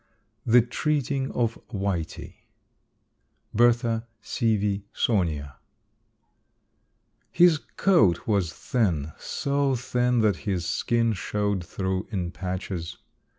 THE TREATING OF WHITEY. BERTHA SEAVEY SAUNIER. His coat was thin so thin that his skin showed through in patches.